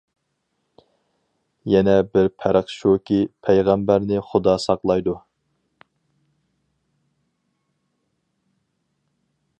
يەنە بىر پەرق شۇكى، پەيغەمبەرنى خۇدا ساقلايدۇ.